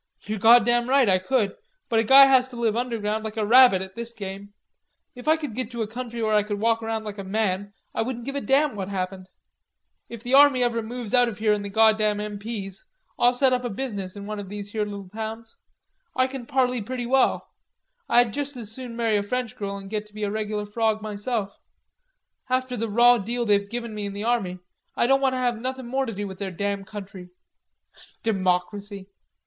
"You're goddam right, I could, but a guy has to live underground, like a rabbit, at this game. If I could git to a country where I could walk around like a man, I wouldn't give a damn what happened. If the army ever moves out of here an' the goddam M.P.'s, I'll set up in business in one of these here little towns. I can parlee pretty well. I'd juss as soon marry a French girl an' git to be a regular frawg myself. After the raw deal they've given me in the army, I don't want to have nothin' more to do with their damn country. Democracy!"